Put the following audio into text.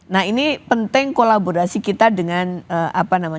nah ini penting kolaborasi kita dengan perbankan